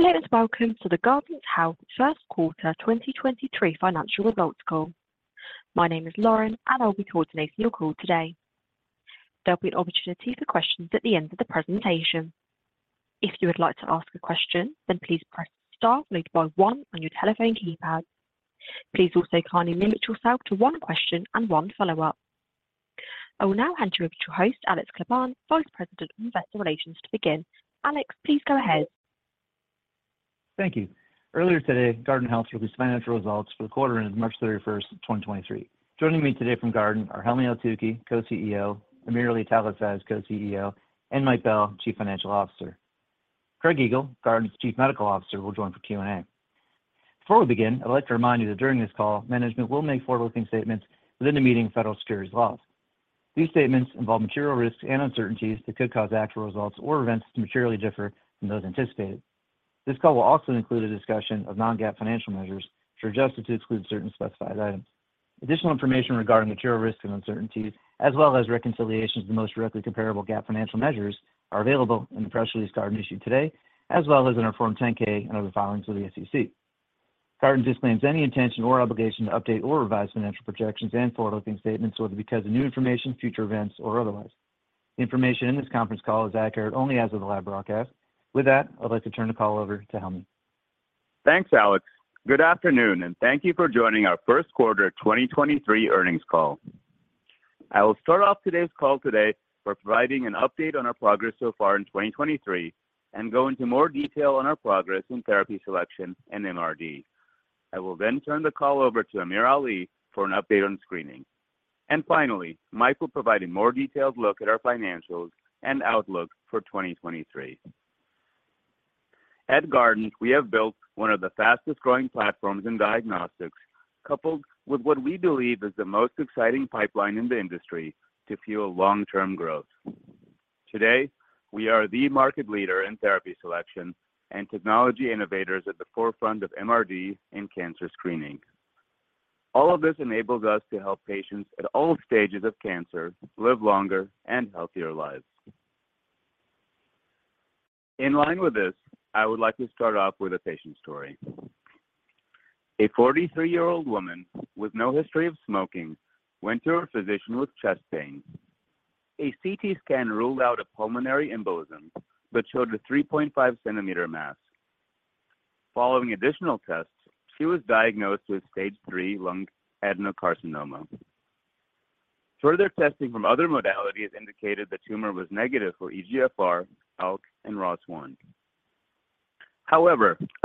Hello, and welcome to the Guardant Health First Quarter 2023 Financial Results Call. My name is Lauren, and I'll be coordinating your call today. There'll be an opportunity for questions at the end of the presentation. If you would like to ask a question, then please press star followed by one on your telephone keypad. Please also kindly limit yourself to one question and one follow-up. I will now hand you over to your host, Alex Kleban, Vice President of Investor Relations, to begin. Alex, please go ahead. Thank you. Earlier today, Guardant Health Released Financial Results for the Quarter ending March 31st, 2023. Joining me today from Guardant are Helmy Eltoukhy, Co-CEO, AmirAli Talasaz, Co-CEO, and Mike Bell, Chief Financial Officer. Craig Eagle, Guardant's Chief Medical Officer, will join for Q&A. Before we begin, I'd like to remind you that during this call, management will make forward-looking statements within the meaning of federal securities laws. These statements involve material risks and uncertainties that could cause actual results or events to materially differ from those anticipated. This call will also include a discussion of non-GAAP financial measures, which are adjusted to exclude certain specified items. Additional information regarding material risks and uncertainties as well as reconciliations to the most directly comparable GAAP financial measures are available in the press release Guardant issued today, as well as in our Form 10-K and other filings with the SEC. Guardant disclaims any intention or obligation to update or revise financial projections and forward-looking statements, whether because of new information, future events, or otherwise. Information in this conference call is accurate only as of the live broadcast. With that, I'd like to turn the call over to Helmy. Thanks, Alex. Good afternoon. Thank you for joining our first quarter 2023 earnings call. I will start off today's call for providing an update on our progress so far in 2023 and go into more detail on our progress in therapy selection and MRD. I will turn the call over to AmirAli for an update on screening. Finally, Mike will provide a more detailed look at our financials and outlook for 2023. At Guardant, we have built one of the fastest-growing platforms in diagnostics, coupled with what we believe is the most exciting pipeline in the industry to fuel long-term growth. Today, we are the market leader in therapy selection and technology innovators at the forefront of MRD and cancer screening. All of this enables us to help patients at all stages of cancer live longer and healthier lives. In line with this, I would like to start off with a patient story. A 43-year-old woman with no history of smoking went to her physician with chest pain. A CT scan ruled out a pulmonary embolism but showed a 3.5 cm mass. Following additional tests, she was diagnosed with stage III lung adenocarcinoma. Further testing from other modalities indicated the tumor was negative for EGFR, ALK, and ROS1. A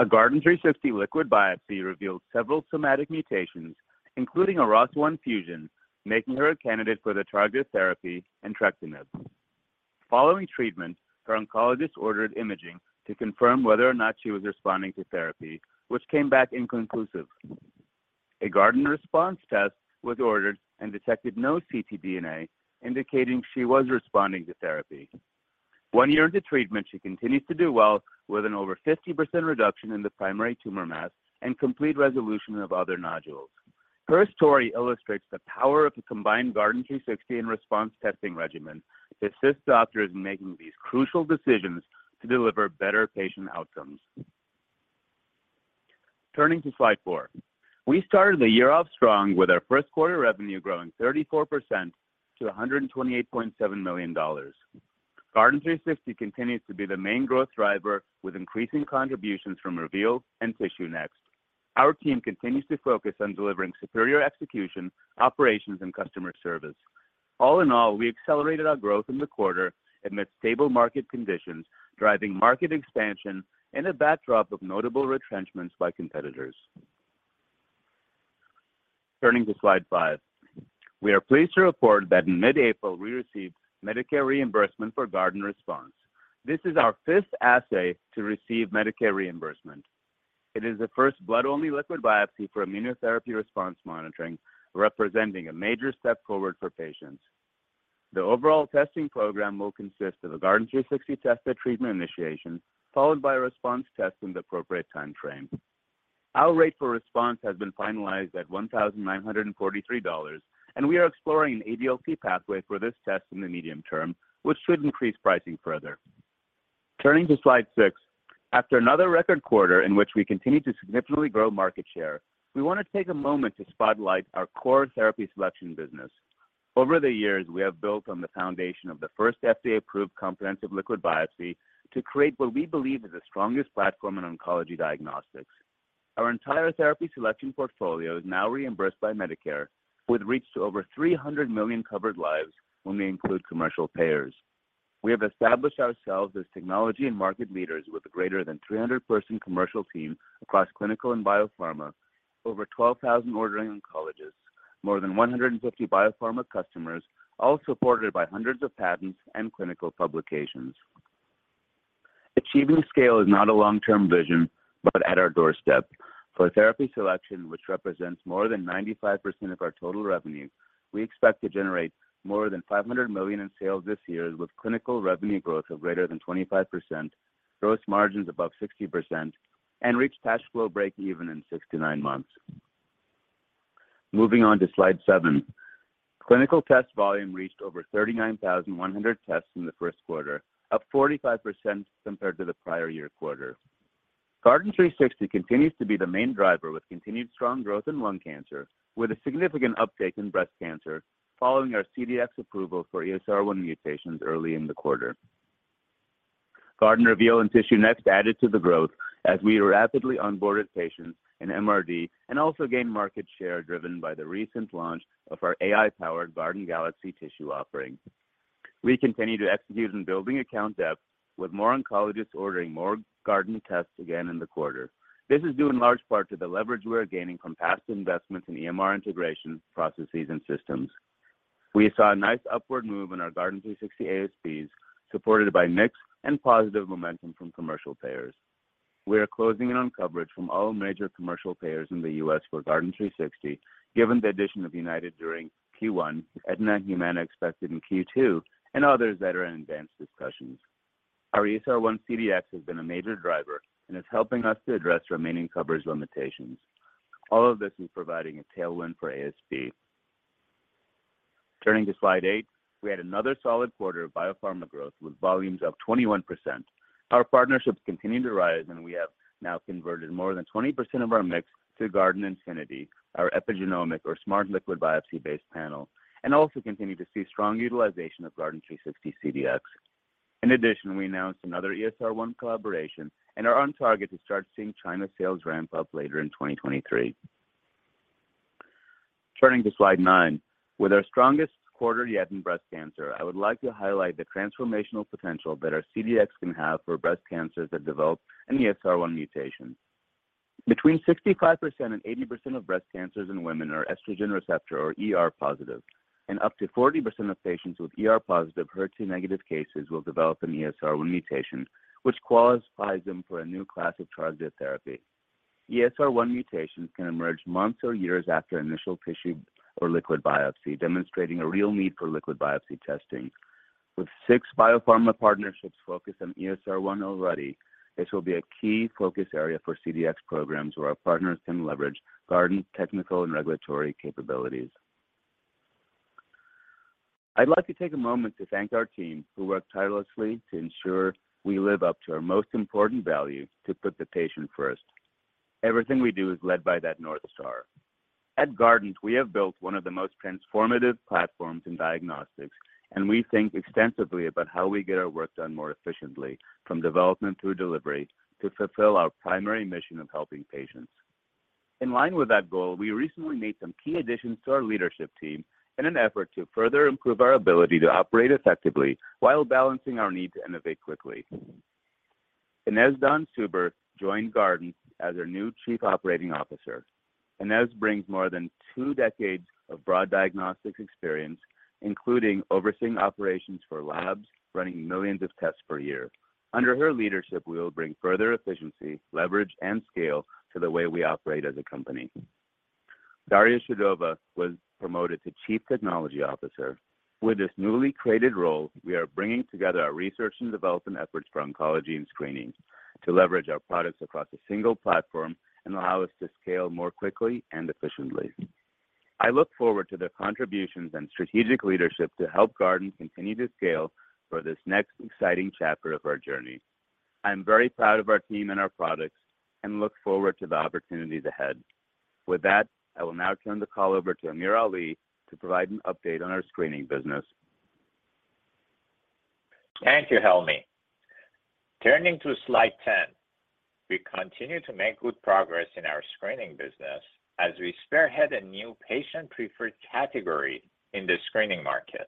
Guardant360 liquid biopsy revealed several somatic mutations, including a ROS1 fusion, making her a candidate for the targeted therapy entrectinib. Following treatment, her oncologist ordered imaging to confirm whether or not she was responding to therapy, which came back inconclusive. A Guardant Response test was ordered and detected no ctDNA, indicating she was responding to therapy. One year into treatment, she continues to do well with an over 50% reduction in the primary tumor mass and complete resolution of other nodules. Her story illustrates the power of the combined Guardant360 and Response testing regimen to assist doctors in making these crucial decisions to deliver better patient outcomes. Turning to slide four. We started the year off strong with our first quarter revenue growing 34% to $128.7 million. Guardant360 continues to be the main growth driver with increasing contributions from Reveal and TissueNext. Our team continues to focus on delivering superior execution, operations, and customer service. All in all, we accelerated our growth in the quarter amidst stable market conditions, driving market expansion in a backdrop of notable retrenchments by competitors. Turning to slide five. We are pleased to report that in mid-April, we received Medicare reimbursement for Guardant Response. This is our fifth assay to receive Medicare reimbursement. It is the first blood-only liquid biopsy for immunotherapy response monitoring, representing a major step forward for patients. The overall testing program will consist of a Guardant360 test at treatment initiation, followed by a Response test in the appropriate time frame. Our rate for Response has been finalized at $1,943. We are exploring an ADLT pathway for this test in the medium term, which should increase pricing further. Turning to slide six. After another record quarter in which we continued to significantly grow market share, we want to take a moment to spotlight our core therapy selection business. Over the years, we have built on the foundation of the first FDA-approved comprehensive liquid biopsy to create what we believe is the strongest platform in oncology diagnostics. Our entire therapy selection portfolio is now reimbursed by Medicare with reach to over 300 million covered lives when we include commercial payers. We have established ourselves as technology and market leaders with a greater than 300-person commercial team across clinical and biopharma, over 12,000 ordering oncologists, more than 150 biopharma customers, all supported by hundreds of patents and clinical publications. Achieving scale is not a long-term vision, but at our doorstep. For therapy selection, which represents more than 95% of our total revenue, we expect to generate more than $500 million in sales this year with clinical revenue growth of greater than 25%, gross margins above 60%, and reach cash flow breakeven in six to nine. Moving on to slide seven. Clinical test volume reached over 39,100 tests in the first quarter, up 45% compared to the prior year quarter. Guardant360 continues to be the main driver with continued strong growth in lung cancer, with a significant uptake in breast cancer following our CDx approval for ESR-1 mutations early in the quarter. Guardant Reveal and TissueNext added to the growth as we rapidly onboarded patients in MRD and also gained market share driven by the recent launch of our AI-powered Guardant Galaxy tissue offering. We continue to execute in building account depth with more oncologists ordering more Guardant tests again in the quarter. This is due in large part to the leverage we are gaining from past investments in EMR integration processes and systems. We saw a nice upward move in our Guardant360 ASPs, supported by mix and positive momentum from commercial payers. We are closing in on coverage from all major commercial payers in the U.S. for Guardant360, given the addition of UnitedHealthcare during Q1, Aetna and Humana expected in Q2, and others that are in advanced discussions. Our ESR-1 CDx has been a major driver and is helping us to address remaining coverage limitations. All of this is providing a tailwind for ASP. Turning to slide eight, we had another solid quarter of biopharma growth with volumes up 21%. Our partnerships continued to rise, and we have now converted more than 20% of our mix to Guardant Infinity, our epigenomic or smart liquid biopsy-based panel, and also continue to see strong utilization of Guardant360 CDx. In addition, we announced another ESR-1 collaboration and are on target to start seeing China sales ramp up later in 2023. Turning to slide nine, with our strongest quarter yet in breast cancer, I would like to highlight the transformational potential that our CDx can have for breast cancers that develop an ESR-1 mutation. Between 65% and 80% of breast cancers in women are estrogen receptor or ER positive, and up to 40% of patients with ER-positive, HER2-negative cases will develop an ESR-1 mutation, which qualifies them for a new class of targeted therapy. ESR-1 mutations can emerge months or years after initial tissue or liquid biopsy, demonstrating a real need for liquid biopsy testing. With six biopharma partnerships focused on ESR-1 already, this will be a key focus area for CDx programs where our partners can leverage Guardant technical and regulatory capabilities. I'd like to take a moment to thank our team, who work tirelessly to ensure we live up to our most important value, to put the patient first. Everything we do is led by that North Star. At Guardant, we have built one of the most transformative platforms in diagnostics, and we think extensively about how we get our work done more efficiently, from development through delivery, to fulfill our primary mission of helping patients. In line with that goal, we recently made some key additions to our leadership team in an effort to further improve our ability to operate effectively while balancing our need to innovate quickly. Ines Dahne-Steuber joined Guardant as our new Chief Operating Officer. Ines brings more than two decades of broad diagnostics experience, including overseeing operations for labs running millions of tests per year. Under her leadership, we will bring further efficiency, leverage, and scale to the way we operate as a company. Darya Chudova was promoted to Chief Technology Officer. With this newly created role, we are bringing together our research and development efforts for oncology and screening to leverage our products across a single platform and allow us to scale more quickly and efficiently. I look forward to their contributions and strategic leadership to help Guardant continue to scale for this next exciting chapter of our journey. I am very proud of our team and our products and look forward to the opportunities ahead. With that, I will now turn the call over to AmirAli to provide an update on our screening business. Thank you, Helmy. Turning to slide 10, we continue to make good progress in our screening business as we spearhead a new patient-preferred category in the screening market.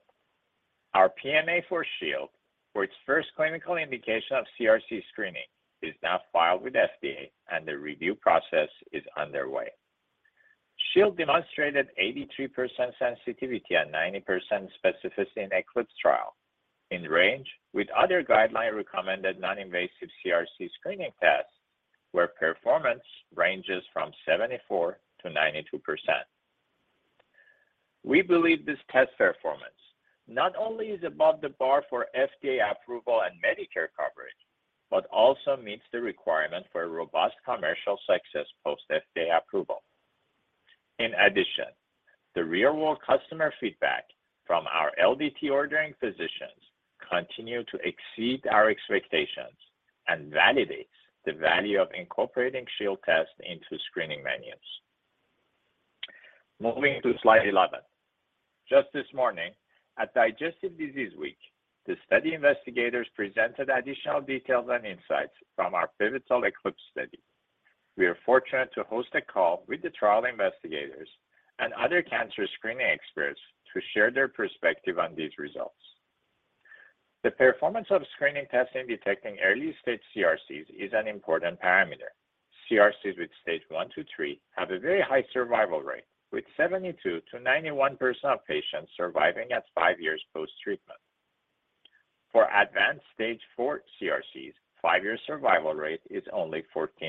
Our PMA for Shield, for its first clinical indication of CRC screening, is now filed with FDA. The review process is underway. Shield demonstrated 83% sensitivity and 90% specificity in ECLIPSE trial in range with other guideline-recommended non-invasive CRC screening tests where performance ranges from 74%-92%. We believe this test performance not only is above the bar for FDA approval and Medicare coverage, but also meets the requirement for a robust commercial success post FDA approval. In addition, the real-world customer feedback from our LDT-ordering physicians continue to exceed our expectations and validates the value of incorporating Shield test into screening menus. Moving to slide 11. Just this morning, at Digestive Disease Week, the study investigators presented additional details and insights from our pivotal ECLIPSE study. We are fortunate to host a call with the trial investigators and other cancer screening experts to share their perspective on these results. The performance of screening tests in detecting early-stage CRCs is an important parameter. CRCs with stage I-III have a very high survival rate, with 72%-91% of patients surviving at five years post-treatment. For advanced stage IV CRCs, five year survival rate is only 14%.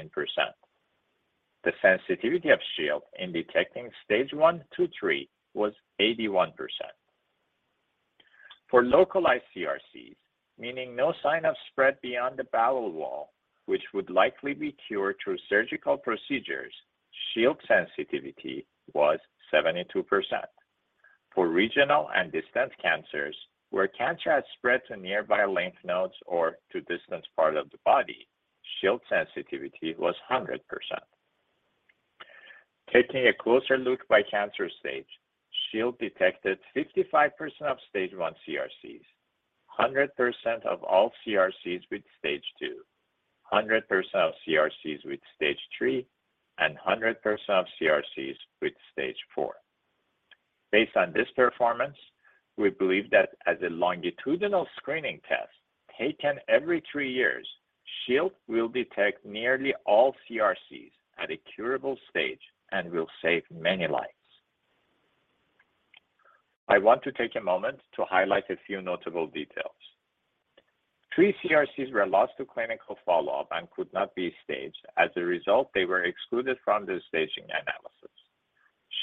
The sensitivity of Shield in detecting stage I-III was 81%. For localized CRCs, meaning no sign of spread beyond the bowel wall, which would likely be cured through surgical procedures, Shield sensitivity was 72%. For regional and distant cancers, where cancer has spread to nearby lymph nodes or to distant part of the body, Shield sensitivity was 100%. Taking a closer look by cancer stage, Shield detected 55% stage I CRCs, 100% of all CRCs stage II, 100% of CRCs stage III, and 100% of CRCs stage IV. based on this performance, we believe that as a longitudinal screening test taken every three years, Shield will detect nearly all CRCs at a curable stage and will save many lives. I want to take a moment to highlight a few notable details. Three CRCs were lost to clinical follow-up and could not be staged. As a result, they were excluded from the staging analysis.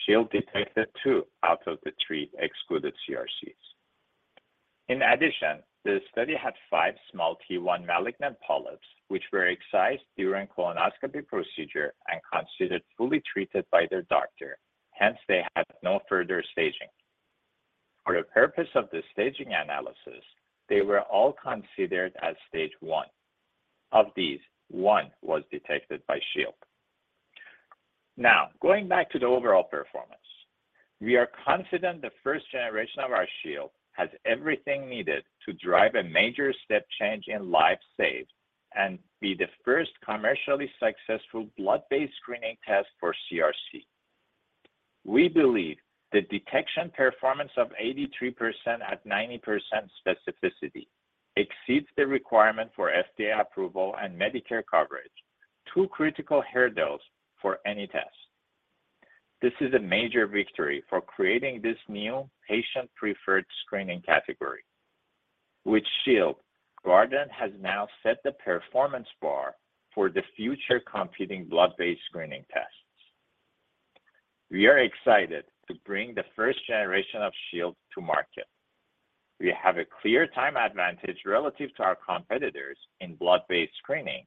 Shield detected two out of the three excluded CRCs. In addition, the study had five small T1 malignant polyps, which were excised during colonoscopy procedure and considered fully treated by their doctor, hence they had no further staging. For the purpose of the staging analysis, they were all considered stage I. of these, one was detected by Shield. Going back to the overall performance, we are confident the first generation of our Shield has everything needed to drive a major step change in lives saved and be the first commercially successful blood-based screening test for CRC. We believe the detection performance of 83% at 90% specificity exceeds the requirement for FDA approval and Medicare coverage, two critical hurdles for any test. This is a major victory for creating this new patient-preferred screening category. With Shield, Guardant has now set the performance bar for the future competing blood-based screening tests. We are excited to bring the first generation of Shield to market. We have a clear time advantage relative to our competitors in blood-based screening.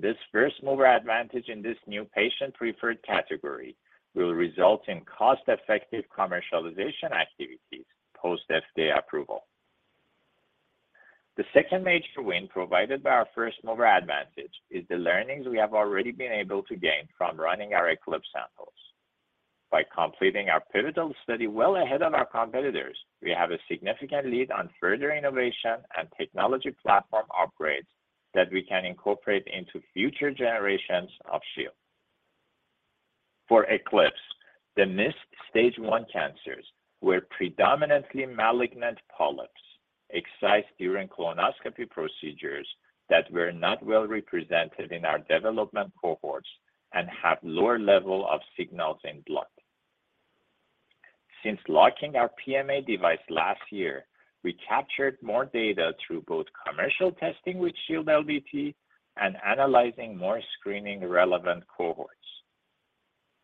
This first-mover advantage in this new patient-preferred category will result in cost-effective commercialization activities post-FDA approval. The second major win provided by our first-mover advantage is the learnings we have already been able to gain from running our ECLIPSE samples. By completing our pivotal study well ahead of our competitors, we have a significant lead on further innovation and technology platform upgrades that we can incorporate into future generations of Shield. For ECLIPSE, the stage I cancers were predominantly malignant polyps excised during colonoscopy procedures that were not well represented in our development cohorts and have lower level of signals in blood. Since locking our PMA device last year, we captured more data through both commercial testing with Shield LDT and analyzing more screening relevant cohorts.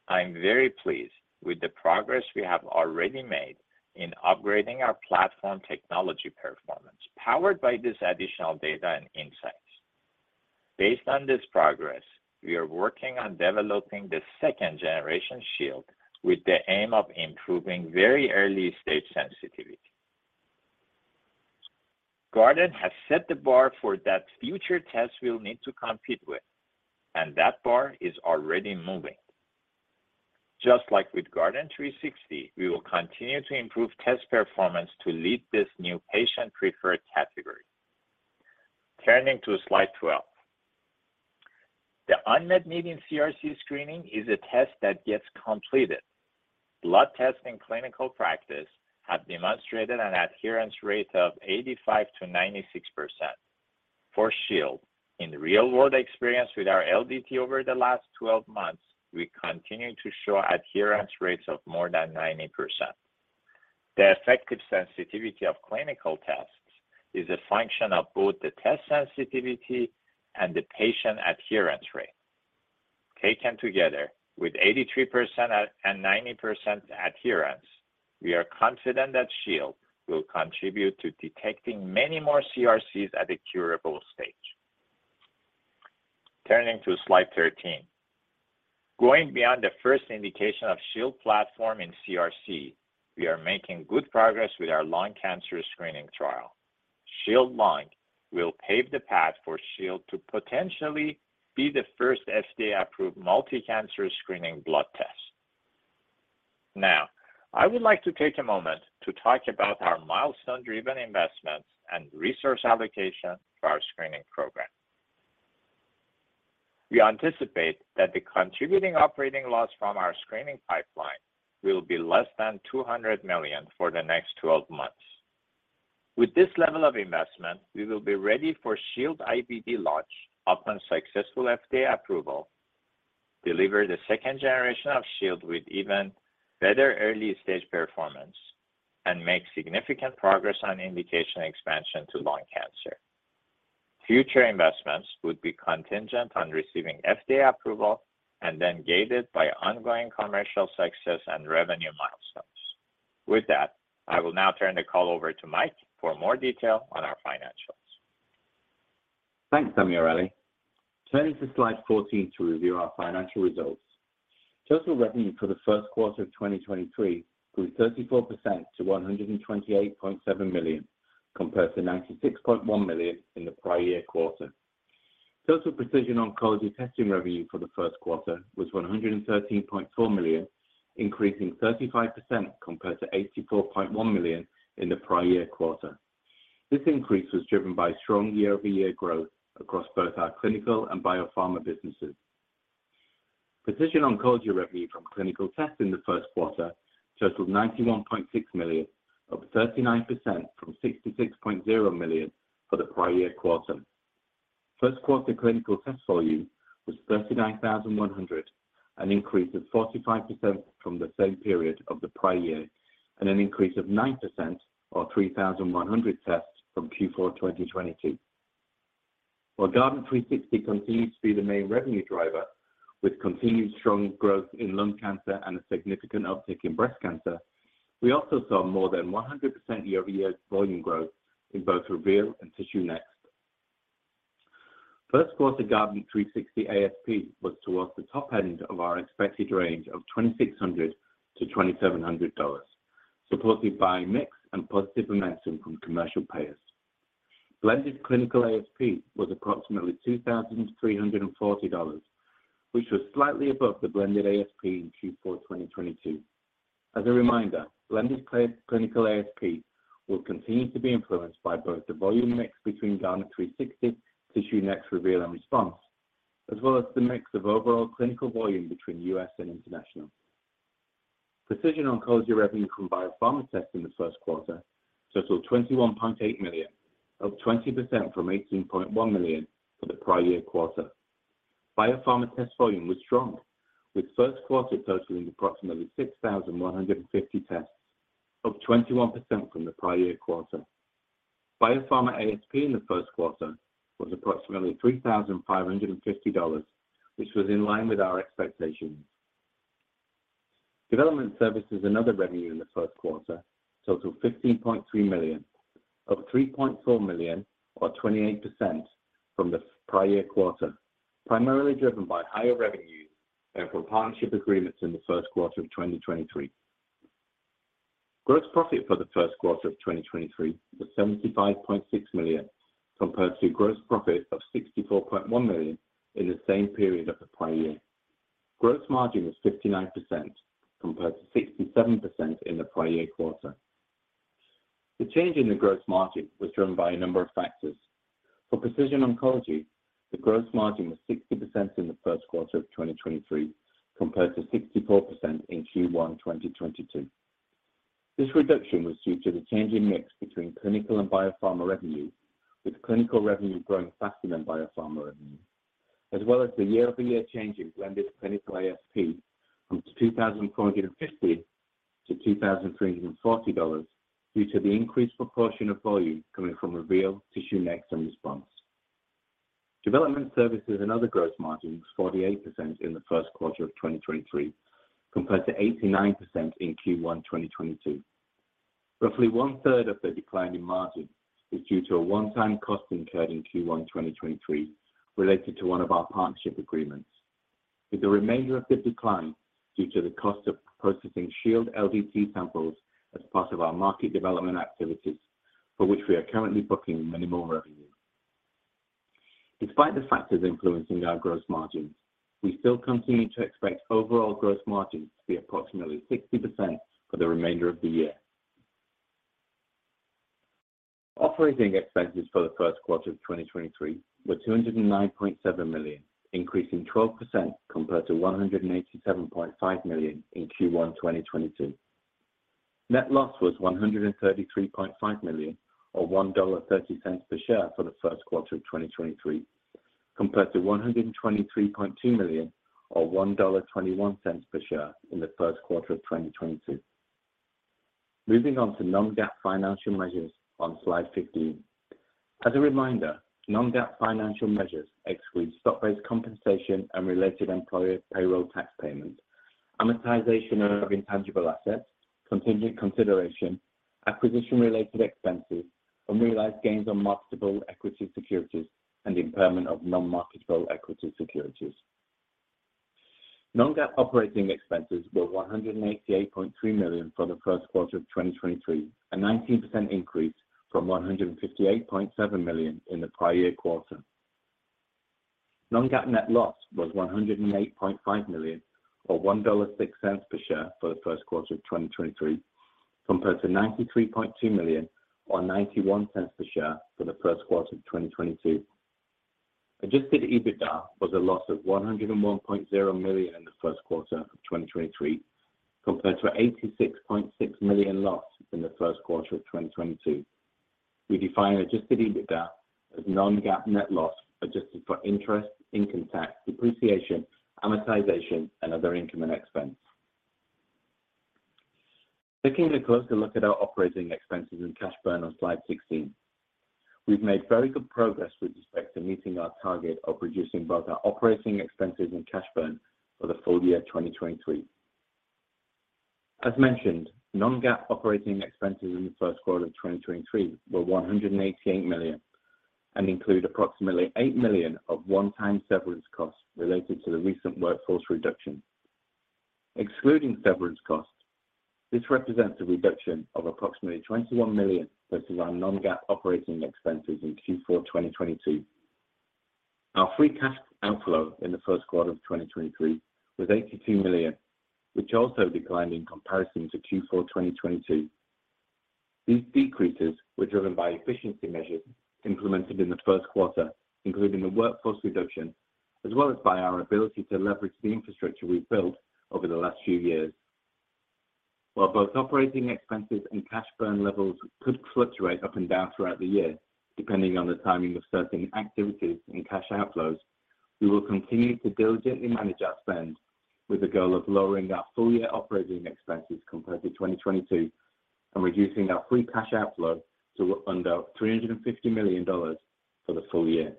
I'm very pleased with the progress we have already made in upgrading our platform technology performance, powered by this additional data and insights. Based on this progress, we are working on developing the second generation Shield with the aim of improving very early stage sensitivity. Guardant has set the bar for that future tests will need to compete with, and that bar is already moving. Just like with Guardant360, we will continue to improve test performance to lead this new patient-preferred category. Turning to slide 12. The unmet need in CRC screening is a test that gets completed. Blood tests in clinical practice have demonstrated an adherence rate of 85%-96%. For Shield, in real world experience with our LDT over the last 12 months, we continue to show adherence rates of more than 90%. The effective sensitivity of clinical tests is a function of both the test sensitivity and the patient adherence rate. Taken together, with 83% and 90% adherence, we are confident that Shield will contribute to detecting many more CRCs at a curable stage. Turning to slide 13. Going beyond the first indication of Shield platform in CRC, we are making good progress with our lung cancer screening trial. Shield Lung will pave the path for Shield to potentially be the first FDA-approved multi-cancer screening blood test. I would like to take a moment to talk about our milestone-driven investments and resource allocation for our screening program. We anticipate that the contributing operating loss from our screening pipeline will be less than $200 million for the next 12 months. With this level of investment, we will be ready for Shield IVD launch upon successful FDA approval, deliver the second generation of Shield with even better early-stage performance, and make significant progress on indication expansion to lung cancer. Future investments would be contingent on receiving FDA approval and then gated by ongoing commercial success and revenue milestones. With that, I will now turn the call over to Mike for more detail on our financials. Thanks, Damiano. Turning to slide 14 to review our financial results. Total revenue for the first quarter of 2023 grew 34% to $128.7 million, compared to $96.1 million in the prior year quarter. Total precision oncology testing revenue for the first quarter was $113.4 million, increasing 35% compared to $84.1 million in the prior year quarter. This increase was driven by strong year-over-year growth across both our clinical and biopharma businesses. Precision oncology revenue from clinical tests in the first quarter totaled $91.6 million, up 39% from $66.0 million for the prior year quarter. First quarter clinical test volume was 39,100, an increase of 45% from the same period of the prior year and an increase of 9% or 3,100 tests from Q4 2022. While Guardant360 continues to be the main revenue driver with continued strong growth in lung cancer and a significant uptick in breast cancer, we also saw more than 100% year-over-year volume growth in both Reveal and TissueNext. First quarter Guardant360 ASP was towards the top end of our expected range of $2,600-$2,700, supported by mix and positive momentum from commercial payers. Blended clinical ASP was approximately $2,340, which was slightly above the blended ASP in Q4 2022. As a reminder, blended clinical ASP will continue to be influenced by both the volume mix between Guardant360, TissueNext, Reveal and Response, as well as the mix of overall clinical volume between U.S. and international. Precision oncology revenue from biopharma tests in the first quarter totaled $21.8 million, up 20% from $18.1 million for the prior year quarter. Biopharma test volume was strong, with first quarter totaling approximately 6,150 tests, up 21% from the prior year quarter. Biopharma ASP in the first quarter was approximately $3,550, which was in line with our expectations. Development services and other revenue in the first quarter totaled $15.3 million, up $3.4 million or 28% from the prior year quarter, primarily driven by higher revenues and from partnership agreements in the first quarter of 2023. Gross profit for the first quarter of 2023 was $75.6 million, compared to gross profit of $64.1 million in the same period of the prior year. Gross margin was 59% compared to 67% in the prior year quarter. The change in the gross margin was driven by a number of factors. For precision oncology, the gross margin was 60% in the first quarter of 2023 compared to 64% in Q1 2022. This reduction was due to the change in mix between clinical and biopharma revenue, with clinical revenue growing faster than biopharma revenue, as well as the year-over-year change in blended clinical ASP from $2,450-$2,340 due to the increased proportion of volume coming from Reveal, TissueNext and Response. Development services and other gross margin was 48% in the first quarter of 2023 compared to 89% in Q1 2022. Roughly 1/3 of the decline in margin is due to a one-time cost incurred in Q1 2023 related to one of our partnership agreements, with the remainder of the decline due to the cost of processing Shield LDT samples as part of our market development activities, for which we are currently booking minimal revenue. Despite the factors influencing our gross margins, we still continue to expect overall gross margins to be approximately 60% for the remainder of the year. Operating expenses for the first quarter of 2023 were $209.7 million, increasing 12% compared to $187.5 million in Q1 2022. Net loss was $133.5 million or $1.30 per share for the first quarter of 2023, compared to $123.2 million or $1.21 per share in the first quarter of 2022. Moving on to non-GAAP financial measures on slide 15. As a reminder, non-GAAP financial measures exclude stock-based compensation and related employer payroll tax payments, amortization of intangible assets, contingent consideration, acquisition-related expenses, unrealized gains on marketable equity securities, and impairment of non-marketable equity securities. Non-GAAP operating expenses were $188.3 million for the first quarter of 2023, a 19% increase from $158.7 million in the prior year quarter. Non-GAAP net loss was $108.5 million or $1.06 per share for the first quarter of 2023, compared to $93.2 million or $0.91 per share for the first quarter of 2022. Adjusted EBITDA was a loss of $101.0 million in the first quarter of 2023, compared to an $86.6 million loss in the first quarter of 2022. We define Adjusted EBITDA as non-GAAP net loss, adjusted for interest, income tax, depreciation, amortization, and other income and expense. Taking a closer look at our operating expenses and cash burn on slide 16. We've made very good progress with respect to meeting our target of reducing both our operating expenses and cash burn for the full year 2023. As mentioned, non-GAAP operating expenses in the first quarter of 2023 were $188 million, and include approximately $8 million of one-time severance costs related to the recent workforce reduction. Excluding severance costs, this represents a reduction of approximately $21 million versus our non-GAAP operating expenses in Q4 2022. Our free cash outflow in the first quarter of 2023 was $82 million, which also declined in comparison to Q4 2022. These decreases were driven by efficiency measures implemented in the first quarter, including the workforce reduction, as well as by our ability to leverage the infrastructure we've built over the last few years. While both operating expenses and cash burn levels could fluctuate up and down throughout the year, depending on the timing of certain activities and cash outflows, we will continue to diligently manage our spend with the goal of lowering our full-year operating expenses compared to 2022 and reducing our free cash outflow to under $350 million for the full year.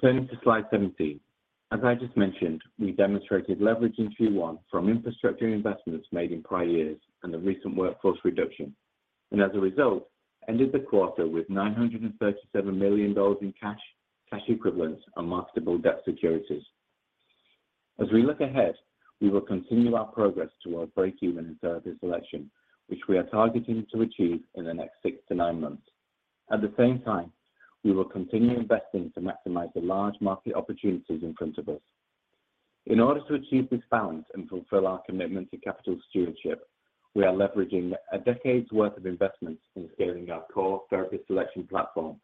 Turning to slide 17. As I just mentioned, we demonstrated leverage in Q1 from infrastructure investments made in prior years and the recent workforce reduction, as a result, ended the quarter with $937 million in cash equivalents, and marketable debt securities. As we look ahead, we will continue our progress to our breakeven in Therapy Selection, which we are targeting to achieve in the next six to nine months. At the same time, we will continue investing to maximize the large market opportunities in front of us. In order to achieve this balance and fulfill our commitment to capital stewardship, we are leveraging a decade's worth of investments in scaling our core Therapy Selection platform,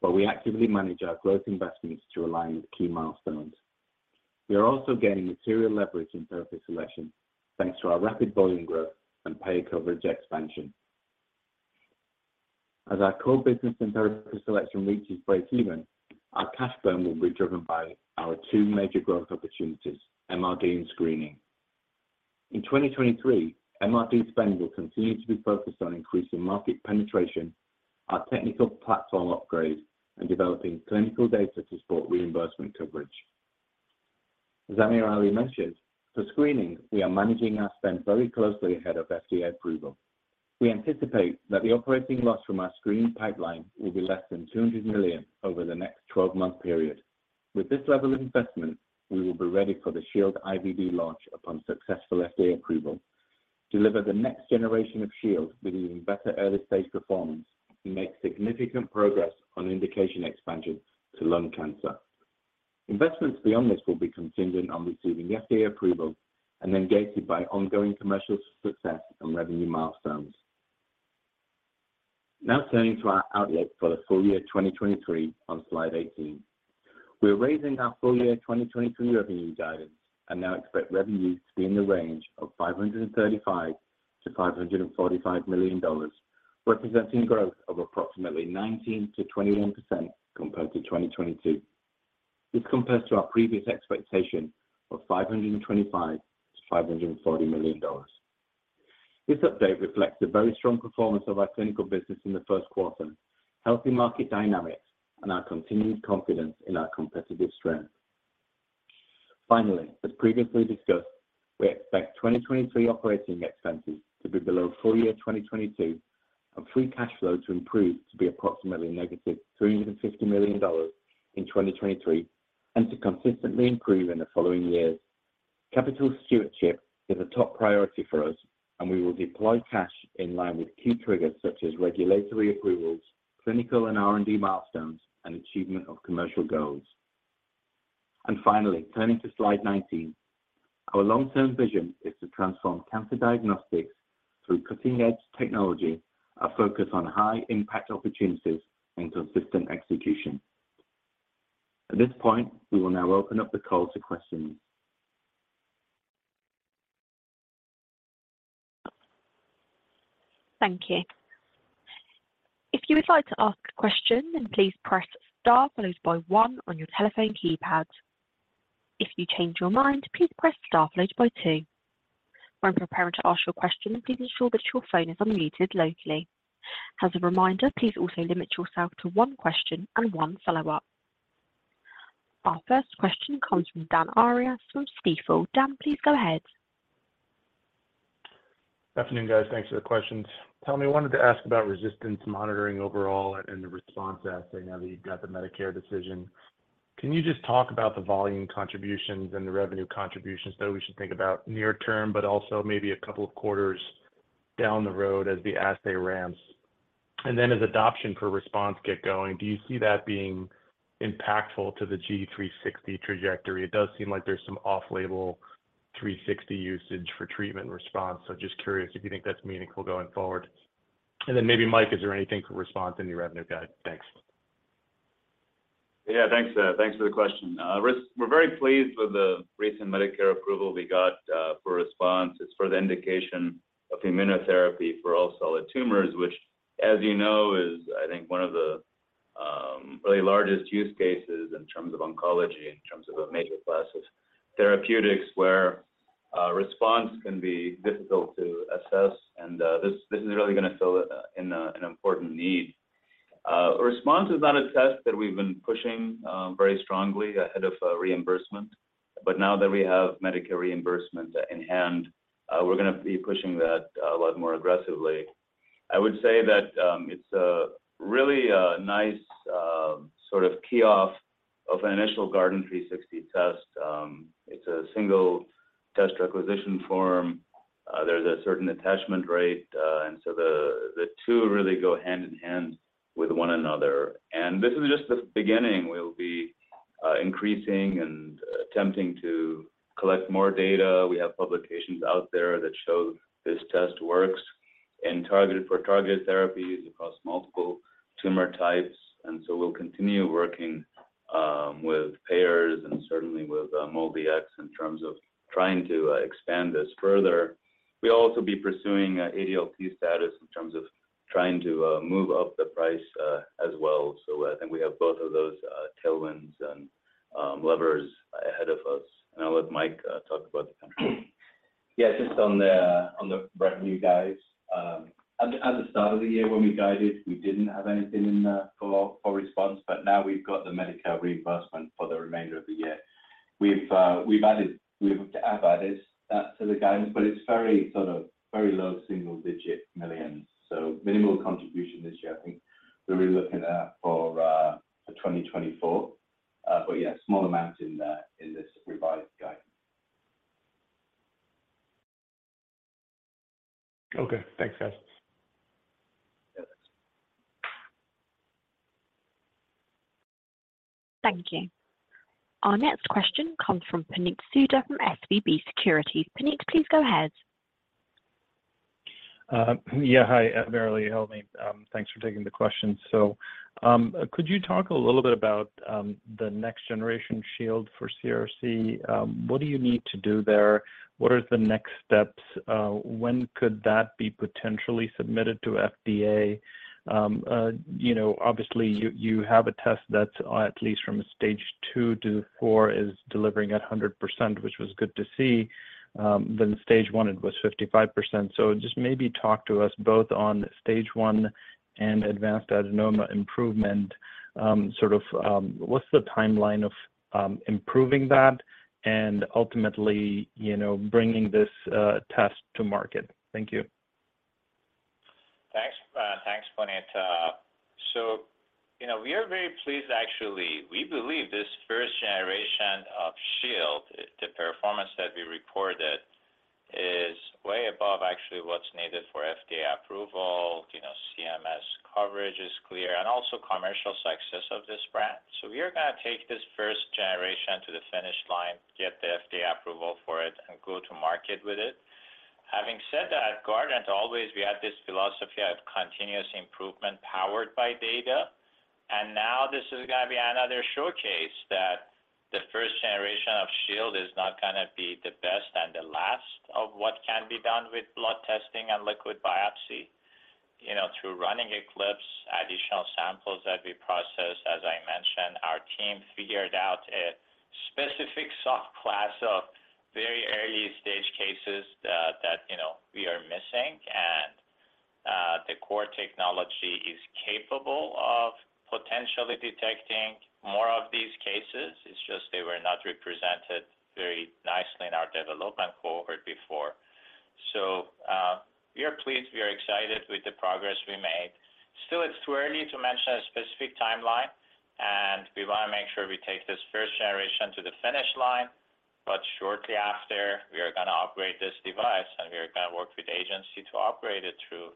where we actively manage our growth investments to align with key milestones. We are also gaining material leverage in Therapy Selection, thanks to our rapid volume growth and pay coverage expansion. As our core business in Therapy Selection reaches breakeven, our cash burn will be driven by our two major growth opportunities, MRD and screening. In 2023, MRD spend will continue to be focused on increasing market penetration, our technical platform upgrade, and developing clinical data to support reimbursement coverage. As AmirAli mentioned, for screening, we are managing our spend very closely ahead of FDA approval. We anticipate that the operating loss from our screening pipeline will be less than $200 million over the next 12-month period. With this level of investment, we will be ready for the Shield IVD launch upon successful FDA approval, deliver the next generation of Shield with even better early-stage performance, and make significant progress on indication expansion to lung cancer. Investments beyond this will be contingent on receiving FDA approval and then gated by ongoing commercial success and revenue milestones. Turning to our outlook for the full year 2023 on slide 18. We're raising our full-year 2023 revenue guidance and now expect revenue to be in the range of $535 million-$545 million, representing growth of approximately 19%-21% compared to 2022. This compares to our previous expectation of $525 million-$540 million. This update reflects the very strong performance of our clinical business in the first quarter, healthy market dynamics, and our continued confidence in our competitive strength. Finally, as previously discussed, we expect 2023 operating expenses to be below full year 2022 and free cash flow to improve to be approximately negative $350 million in 2023 and to consistently improve in the following years. Capital stewardship is a top priority for us, and we will deploy cash in line with key triggers such as regulatory approvals, clinical and R&D milestones, and achievement of commercial goals. Finally, turning to slide 19. Our long-term vision is to transform cancer diagnostics through cutting-edge technology, a focus on high-impact opportunities, and consistent execution. At this point, we will now open up the call to questions. Thank you. If you would like to ask a question, then please press star followed by one on your telephone keypad. If you change your mind, please press star followed by two. When preparing to ask your question, please ensure that your phone is unmuted locally. As a reminder, please also limit yourself to one question and one follow-up. Our first question comes from Dan Arias from Stifel. Dan, please go ahead. Good afternoon, guys. Thanks for the questions. Helmy, I wanted to ask about resistance monitoring overall and the Guardant360 Response assay now that you've got the Medicare decision. Can you just talk about the volume contributions and the revenue contributions that we should think about near term, but also maybe a couple of quarters down the road as the assay ramps? As adoption for Guardant360 Response get going, do you see that being impactful to the Guardant360 trajectory? It does seem like there's some off-label Guardant360 usage for treatment response. Just curious if you think that's meaningful going forward. Maybe Mike, is there anything for Guardant360 Response in your revenue guide? Thanks. Yeah, thanks. Thanks for the question. We're very pleased with the recent Medicare approval we got, for Response. It's for the indication of immunotherapy for all solid tumors, which as you know, is I think one of the Really largest use cases in terms of oncology, in terms of major classes, therapeutics where, response can be difficult to assess. This, this is really gonna fill an important need. Response is not a test that we've been pushing very strongly ahead of reimbursement, but now that we have Medicare reimbursement in hand, we're gonna be pushing that a lot more aggressively. I would say that, it's a really a nice sort of key off of an initial Guardant360 test. It's a single test requisition form. There's a certain attachment rate. The two really go hand in hand with one another. This is just the beginning. We'll be increasing and attempting to collect more data. We have publications out there that show this test works and targeted for targeted therapies across multiple tumor types. We'll continue working with payers and certainly with MolDX in terms of trying to expand this further. We'll also be pursuing ADLT status in terms of trying to move up the price as well. I think we have both of those tailwinds and levers ahead of us. I'll let Mike talk about the country. Just on the, on the revenue guides. At the, at the start of the year when we guided, we didn't have anything in for Response. Now we've got the Medicare reimbursement for the remainder of the year. We have to add that to the guidance. It's very sort of very low single digit $ millions. Minimal contribution this year. I think we're really looking at for 2024. Yeah, small amount in the, in this revised guide. Okay. Thanks, guys. Thank you. Our next question comes from Puneet Souda from SVB Securities. Puneet, please go ahead. Yeah, hi. AmirAli, Helmy. Thanks for taking the question. Could you talk a little bit about the next generation Shield for CRC? What do you need to do there? What are the next steps? When could that be potentially submitted to FDA? You know, obviously you have a test that's, at least from a stage II-IV is delivering at 100%, which was good to see. Then stage I, it was 55%. Just maybe talk to us both on stage I and advanced adenoma improvement. Sort of, what's the timeline of improving that and ultimately, you know, bringing this test to market? Thank you. Thanks, thanks, Puneet. You know, we are very pleased actually. We believe this first generation of Shield, the performance that we reported is way above actually what's needed for FDA approval. You know, CMS coverage is clear and also commercial success of this brand. We are gonna take this first generation to the finish line, get the FDA approval for it, and go to market with it. Having said that, at Guardant always we have this philosophy of continuous improvement powered by data. Now this is gonna be another showcase that the first generation of Shield is not gonna be the best and the last of what can be done with blood testing and liquid biopsy. You know, through running ECLIPSE, additional samples that we process, as I mentioned, our team figured out a specific soft class of very early stage cases that, you know, we are missing. The core technology is capable of potentially detecting more of these cases. It's just they were not represented very nicely in our development cohort before. We are pleased, we are excited with the progress we made. Still, it's too early to mention a specific timeline, and we wanna make sure we take this first generation to the finish line. Shortly after, we are gonna operate this device, and we are gonna work with Agency to operate it through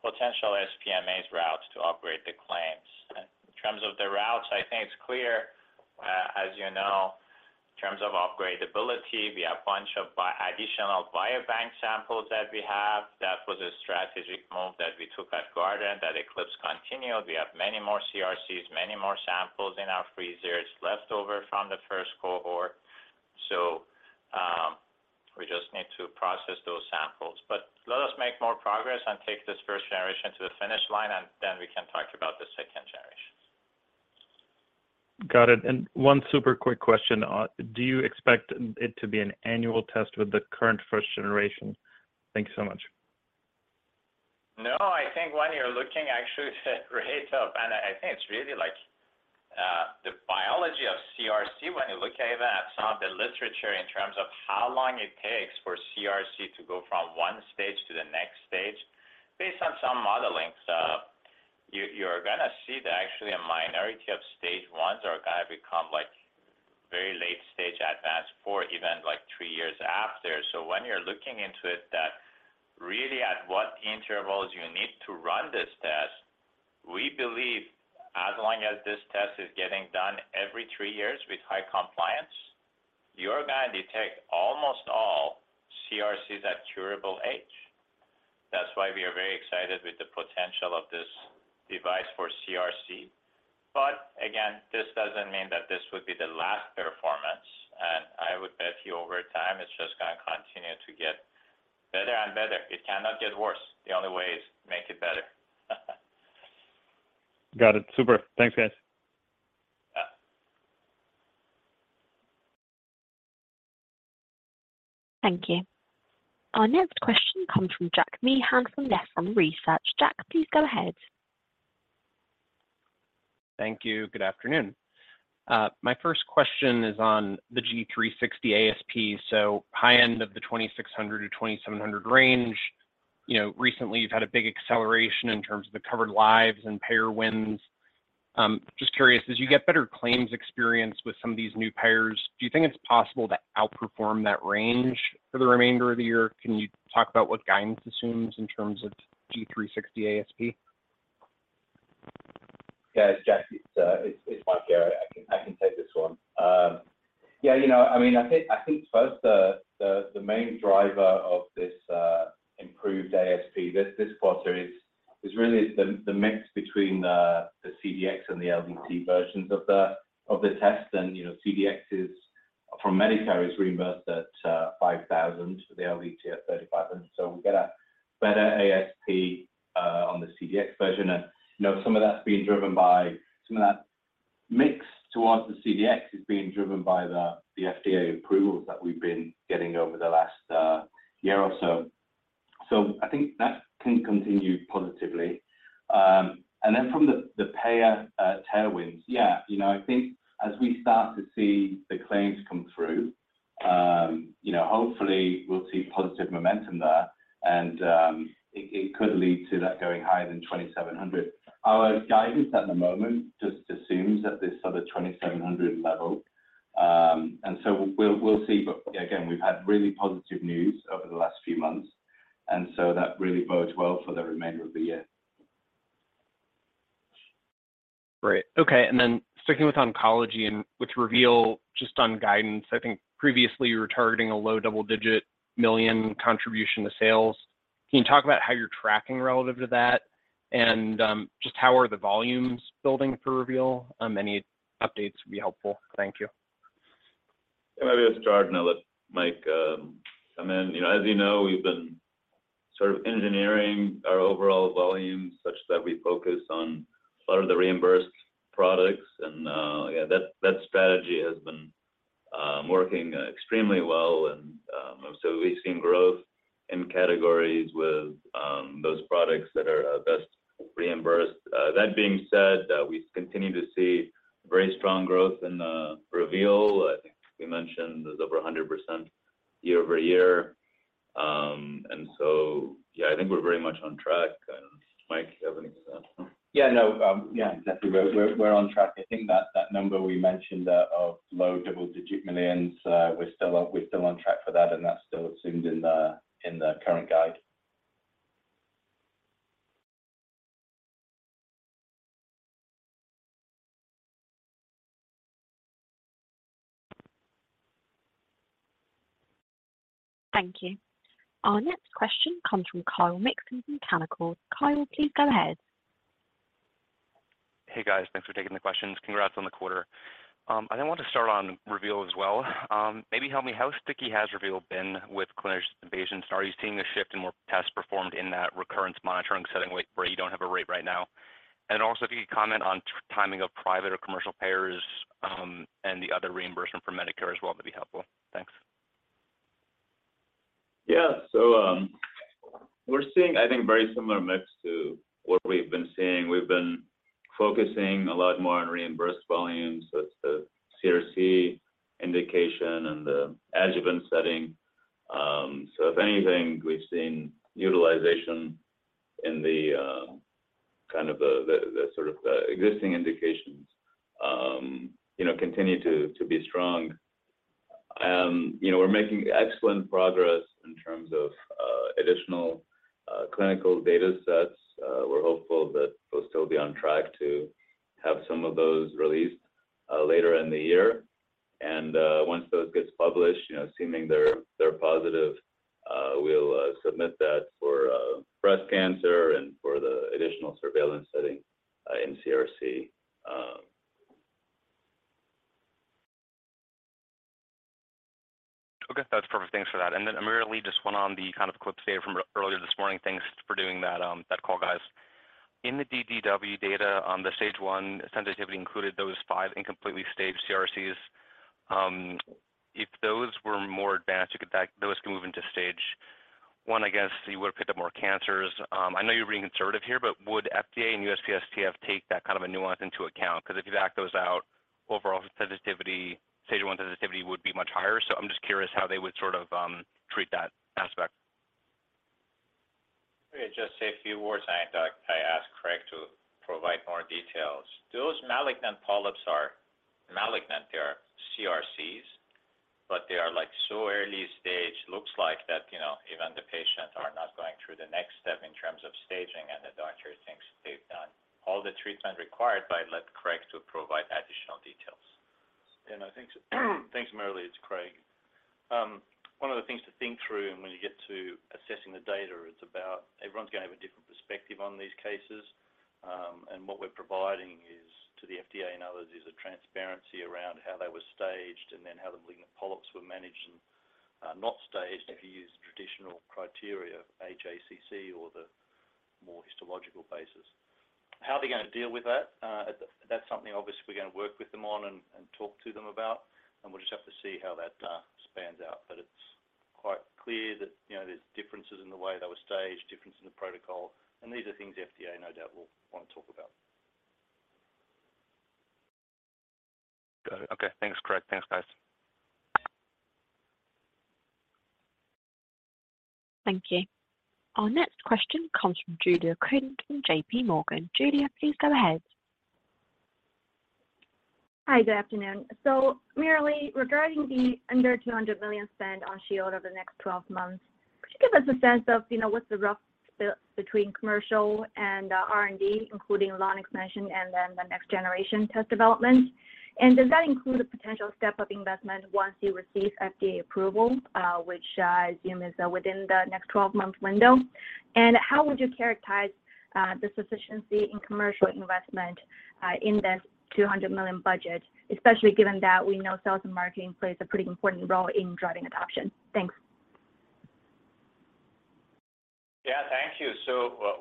potential sPMAs routes to operate the claims. In terms of the routes, I think it's clear, as you know, in terms of upgradeability, we have bunch of additional biobank samples that we have. That was a strategic move that we took at Guardant, that ECLIPSE continued. We have many more CRCs, many more samples in our freezers left over from the first cohort. We just need to process those samples. Let us make more progress and take this first generation to the finish line, then we can talk about the second generation. Got it. One super quick question. Do you expect it to be an annual test with the current first generation? Thank you so much. No, I think when you're looking actually I think it's really like, the biology of CRC when you look at some of the literature in terms of how long it takes for CRC to go from one stage to the next stage based on some modelings, you're gonna see that actually a minority stage I are gonna become like very late-stage advanced IV even three years after. When you're looking into it that really at what intervals you need to run this test, we believe as long as this test is getting done every three years with high compliance, you're gonna detect almost all CRCs at curable age. That's why we are very excited with the potential of this device for CRC. Again, this doesn't mean that this would be the last performance. I would bet you over time it's just gonna continue to get better and better. It cannot get worse. The only way is make it better. Got it. Super. Thanks, guys. Yeah. Thank you. Our next question comes from Jack Meehan from Nephron Research. Jack, please go ahead. Thank you. Good afternoon. My first question is on the Guardant360 ASP, high end of the $2,600-$2,700 range. You know, recently you've had a big acceleration in terms of the covered lives and payer wins. Just curious, as you get better claims experience with some of these new payers, do you think it's possible to outperform that range for the remainder of the year? Can you talk about what guidance assumes in terms of Guardant360 ASP? Jack, it's Mike here. I can take this one. you know, I mean, I think first the main driver of this improved ASP this quarter is really the mix between the CDx and the LDT versions of the test. you know, CDx is from Medicare is reimbursed at $5,000 for the LDT at $3,500. We get a better ASP on the CDx version. you know, some of that mix towards the CDx is being driven by the FDA approvals that we've been getting over the last year or so. I think that can continue positively. Then from the payer, tailwinds, you know, I think as we start to see the claims come through, you know, hopefully we'll see positive momentum there and it could lead to that going higher than $2,700. Our guidance at the moment just assumes that this other $2,700 level. So we'll see. Again, we've had really positive news over the last few months, so that really bodes well for the remainder of the year. Great. Okay. Then sticking with oncology and with Reveal just on guidance, I think previously you were targeting a low double-digit million contribution to sales. Can you talk about how you're tracking relative to that and just how are the volumes building for Reveal? Any updates would be helpful. Thank you. Yeah. Maybe I'll start and I'll let Mike come in. You know, as you know, we've been sort of engineering our overall volume such that we focus on a lot of the reimbursed products and, yeah, that strategy has been working extremely well and so we've seen growth in categories with those products that are best reimbursed. That being said, we continue to see very strong growth in Reveal. I think we mentioned there's over 100% year-over-year. Yeah, I think we're very much on track. Mike, do you have any thoughts? Yeah. No, exactly. We're on track. I think that number we mentioned of low double-digit millions, we're still on track for that, and that's still assumed in the current guide. Thank you. Our next question comes from Kyle Mikson from Canaccord. Kyle, please go ahead. Hey, guys. Thanks for taking the questions. Congrats on the quarter. I want to start on Reveal as well. maybe help me how sticky has Reveal been with clinicians invasion? Are you seeing a shift in more tests performed in that recurrence monitoring setting where you don't have a rate right now? Also if you could comment on timing of private or commercial payers, and the other reimbursement for Medicare as well, that'd be helpful. Thanks. Yeah. We're seeing, I think, very similar mix to what we've been seeing. We've been focusing a lot more on reimbursed volumes, so it's the CRC indication and the adjuvant setting. If anything, we've seen utilization in the kind of the sort of the existing indications, you know, continue to be strong. You know, we're making excellent progress in terms of additional clinical data sets. We're hopeful that we'll still be on track to have some of those released later in the year. Once those gets published, you know, assuming they're positive, we'll submit that for breast cancer and for the additional surveillance setting in CRC. Okay. That's perfect. Thanks for that. Then AmirAli just one on the kind of ECLIPSE data from earlier this morning. Thanks for doing that call, guys. In the DDW data on stage I sensitivity included those five incompletely staged CRCs. If those were more advanced, those could move stage I, I guess you would have picked up more cancers. I know you're being conservative here, but would FDA and USPSTF take that kind of a nuance into account? If you back those out, overall stage I sensitivity would be much higher. I'm just curious how they would sort of treat that aspect. Let me just say a few words and I ask Craig to provide more details. Those malignant polyps are malignant. They are CRCs, but they are like so early stage looks like that, you know, even the patients are not going through the next step in terms of staging and the doctor thinks they've done all the treatment required. I'll let Craig to provide additional details. Thanks, AmirAli. It's Craig. One of the things to think through and when you get to assessing the data, it's about everyone's gonna have a different perspective on these cases. What we're providing is, to the FDA and others, is a transparency around how they were staged and then how the malignant polyps were managed and not staged if you use traditional criteria, AJCC or the more histological basis. How are they gonna deal with that? That's something obviously we're gonna work with them on and talk to them about, and we'll just have to see how that spans out. It's quite clear that, you know, there's differences in the way they were staged, differences in the protocol, and these are things FDA no doubt will wanna talk about. Got it. Okay. Thanks, Craig. Thanks, guys. Thank you. Our next question comes from Julia Qin from JPMorgan. Julia, please go ahead. Hi, good afternoon. AmirAli regarding the under $200 million spend on Shield over the next 12 months, could you give us a sense of, you know, what's the rough split between commercial and R&D, including line extension and then the next generation test development? Does that include a potential step-up investment once you receive FDA approval, which I assume is within the next 12-month window? How would you characterize the sufficiency in commercial investment in this $200 million budget, especially given that we know sales and marketing plays a pretty important role in driving adoption? Thanks. Yeah. Thank you.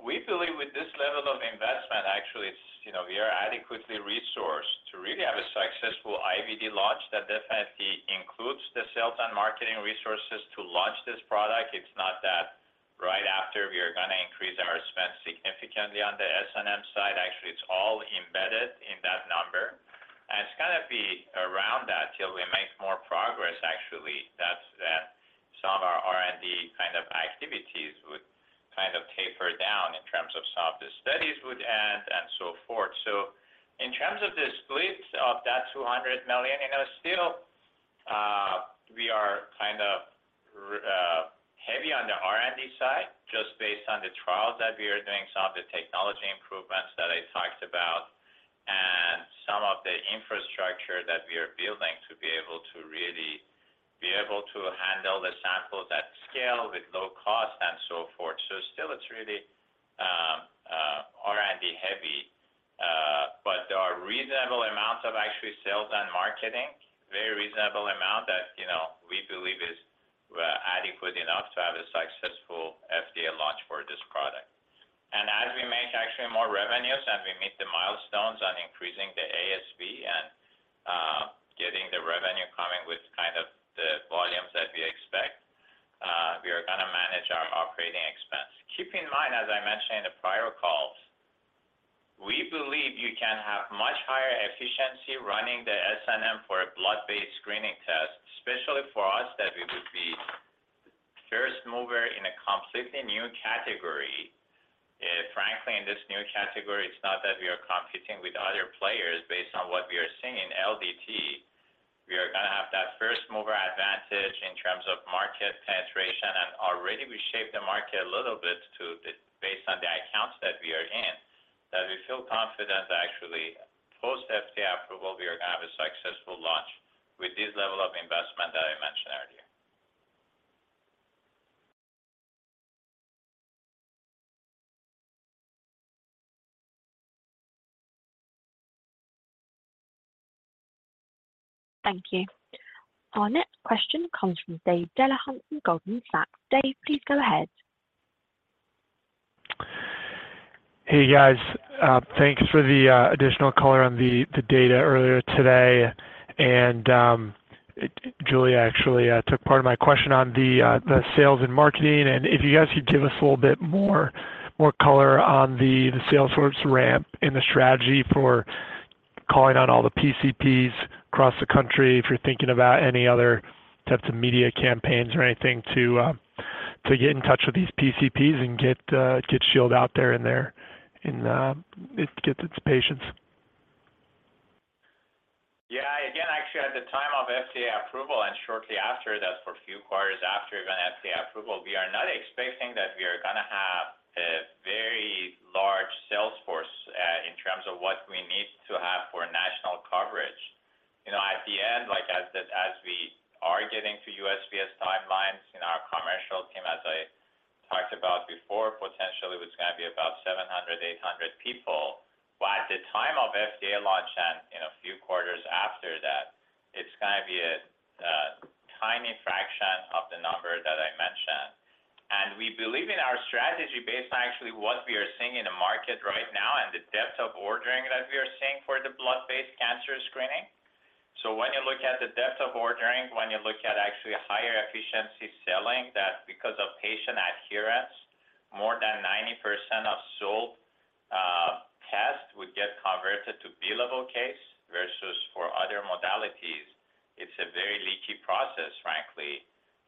We believe with this level of investment, actually it's, you know, we are adequately resourced to really have a successful IVD launch that definitely includes the sales and marketing resources to launch this product. It's not that right after we are gonna increase our spend significantly on the S&M side. Actually, it's all embedded in that number. It's gonna be around that till we make more progress, actually, that some of our R&D kind of activities would kind of taper down in terms of some of the studies would end and so forth. In terms of the split of that $200 million, you know, still, we are kind of heavy on the R&D side, just based on the trials that we are doing, some of the technology improvements that I talked about, and some of the infrastructure that we are building to be able to really be able to handle the samples at scale with low cost and so forth. Still it's really R&D heavy. There are reasonable amounts of actually sales and marketing, very reasonable amount that, you know, we believe is adequate enough to have a successful FDA launch for this product. As we make actually more revenues and we meet the milestones on increasing the ASP and getting the revenue coming with kind of the volumes that we expect, we are gonna manage our operating expense. Keep in mind, as I mentioned in the prior calls, we believe you can have much higher efficiency running the S&M for a blood-based screening test, especially for us that we would be first mover in a completely new category. Frankly, in this new category, it's not that we are competing with other players based on what we are seeing in LDT. We are gonna have that first-mover advantage in terms of market penetration, and already we shaped the market a little bit based on the accounts that we are in, that we feel confident actually post FDA approval, we are gonna have a successful launch with this level of investment that I mentioned earlier. Thank you. Our next question comes from Dave Delahunt from Goldman Sachs. Dave, please go ahead. Hey, guys. Thanks for the additional color on the data earlier today. Julia actually took part of my question on the sales and marketing. If you guys could give us a little bit more color on the sales force ramp and the strategy for calling on all the PCPs across the country. If you're thinking about any other types of media campaigns or anything to get in touch with these PCPs and get Shield out there and get its patients. Again, actually, at the time of FDA approval and shortly after that, for a few quarters after even FDA approval, we are not expecting that we are gonna have a very large sales force in terms of what we need to have for national coverage. You know, at the end, like as we are getting to USPSTF timelines in our commercial team, as I talked about before, potentially it's gonna be about 700, 800 people. At the time of FDA launch and in a few quarters after that, it's gonna be a tiny fraction of the number that I mentioned. We believe in our strategy based on actually what we are seeing in the market right now and the depth of ordering that we are seeing for the blood-based cancer screening. When you look at the depth of ordering, when you look at actually higher efficiency selling, that's because of patient adherence. More than 90% of sold tests would get converted to billable case versus for other modalities, it's a very leaky process, frankly.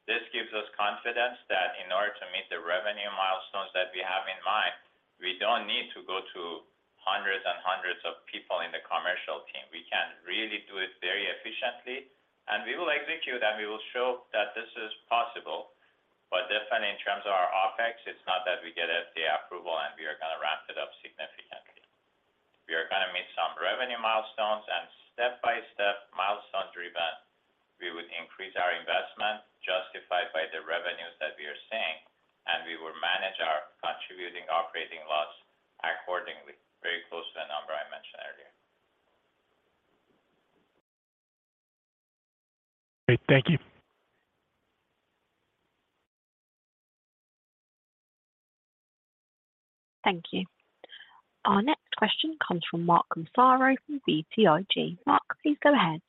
This gives us confidence that in order to meet the revenue milestones that we have in mind, we don't need to go to hundreds and hundreds of people in the commercial team. We can really do it very efficiently, and we will execute, and we will show that this is possible. Definitely in terms of our OpEx, it's not that we get FDA approval, and we are gonna ramp it up significantly. We are going to meet some revenue milestones and step-by-step milestone driven, we would increase our investment justified by the revenues that we are seeing, and we will manage our contributing operating loss accordingly, very close to the number I mentioned earlier. Great. Thank you. Thank you. Our next question comes from Mark Massaro from BTIG. Mark, please go ahead.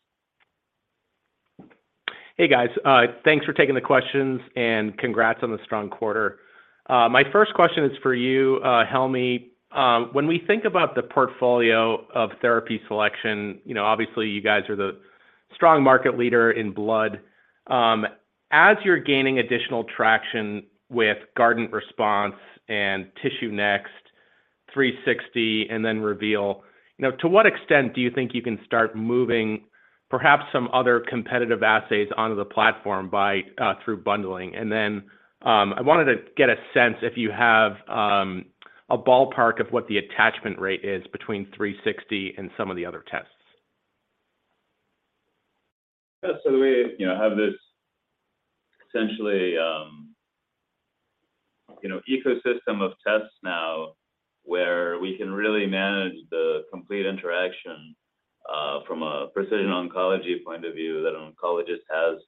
Hey, guys. Thanks for taking the questions and congrats on the strong quarter. My first question is for you, Helmy. When we think about the portfolio of therapy selection, you know, obviously you guys are the strong market leader in blood. As you're gaining additional traction with Guardant360 Response and Guardant360 TissueNext, Guardant360, and then Guardant Reveal, you know, to what extent do you think you can start moving perhaps some other competitive assays onto the platform by through bundling? I wanted to get a sense if you have a ballpark of what the attachment rate is between Guardant360 and some of the other tests. We, you know, have this essentially, you know, ecosystem of tests now where we can really manage the complete interaction from a precision oncology point of view that an oncologist has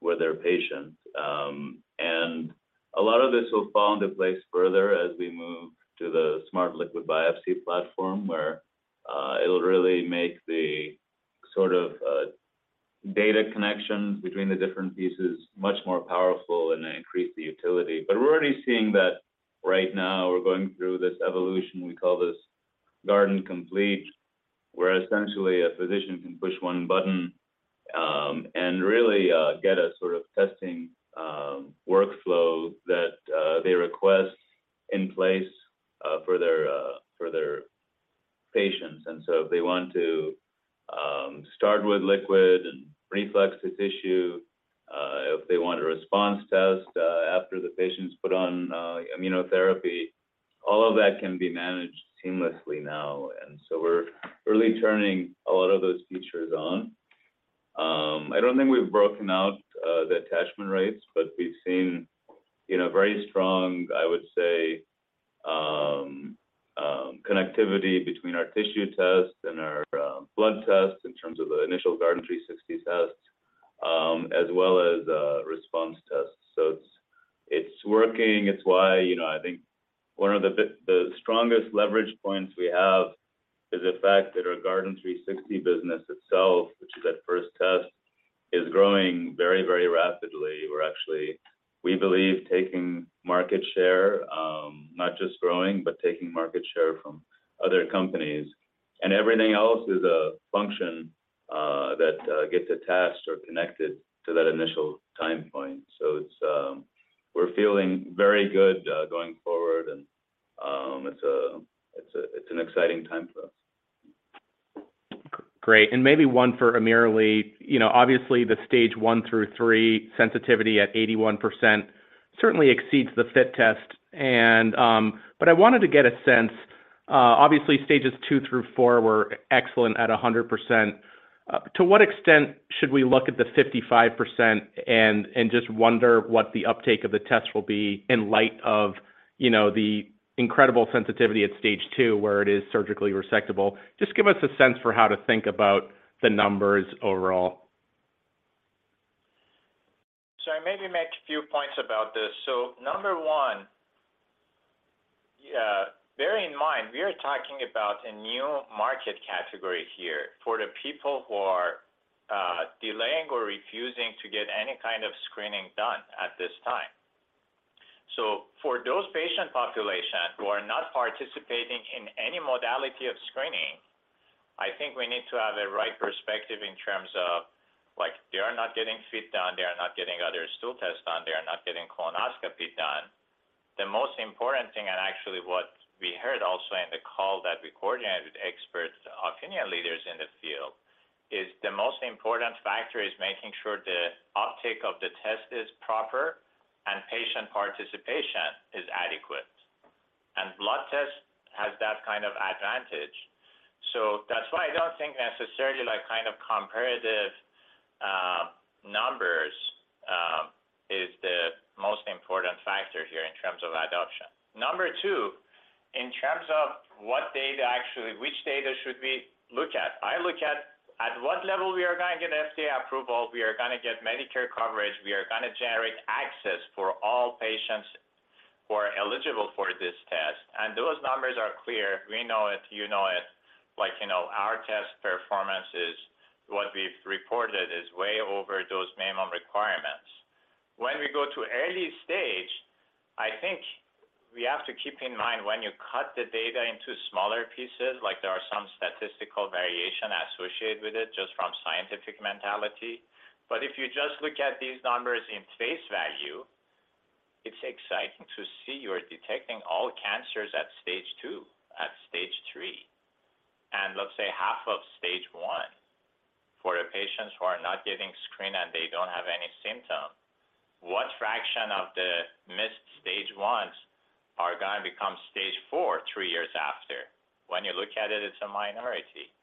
with their patients. And a lot of this will fall into place further as we move to the smart liquid biopsy platform, where it'll really make the sort of data connections between the different pieces much more powerful and increase the utility. We're already seeing that right now. We're going through this evolution, we call this Guardant Complete, where essentially a physician can push one button and really get a sort of testing workflow that they request in place for their patients. If they want to start with liquid and reflex tissue, if they want a response test after the patient's put on immunotherapy, all of that can be managed seamlessly now. We're really turning a lot of those features on. I don't think we've broken out the attachment rates, but we've seen, you know, very strong, I would say, connectivity between our tissue tests and our blood tests in terms of the initial Guardant360 tests, as well as response tests. It's working. It's why, you know, I think one of the strongest leverage points we have is the fact that our Guardant360 business itself, which is that first test, is growing very, very rapidly. We're actually, we believe, taking market share, not just growing, but taking market share from other companies. Everything else is a function that gets attached or connected to that initial time point. We're feeling very good, going forward and, it's an exciting time for us. Great. Maybe one for AmirAli. You know, obviously the stage I through III sensitivity at 81% certainly exceeds the FIT test. I wanted to get a sense, obviously stages II through IV were excellent at 100%. To what extent should we look at the 55% and just wonder what the uptake of the test will be in light of, you know, the incredible sensitivity at stage II where it is surgically resectable? Just give us a sense for how to think about the numbers overall. I maybe make a few points about this. Number one, bear in mind we are talking about a new market category here for the people who are delaying or refusing to get any kind of screening done at this time. For those patient population who are not participating in any modality of screening, I think we need to have a right perspective in terms of like, they are not getting FIT done, they are not getting other stool tests done, they are not getting colonoscopy done. The most important thing, and actually what we heard also in the call that we coordinated with experts, opinion leaders in the field, is the most important factor is making sure the uptake of the test is proper and patient participation is adequate. Blood test has that kind of advantage. That's why I don't think necessarily like kind of comparative numbers is the most important factor here in terms of adoption. Number two, in terms of what data, which data should we look at? I look at what level we are gonna get FDA approval, we are gonna get Medicare coverage, we are gonna generate access for all patients who are eligible for this test. Those numbers are clear. We know it, you know it. Like, you know, our test performance is what we've reported is way over those minimum requirements. When we go to early stage, I think we have to keep in mind when you cut the data into smaller pieces, like there are some statistical variation associated with it just from scientific mentality. If you just look at these numbers in face value, it's exciting to see you're detecting all cancers at stage II, at stage III, and let's say half of stage I. for the patients who are not getting screened and they don't have any symptom, what fraction of the missed stage Is are gonna become stage IV, three years after? When you look at it's a minority.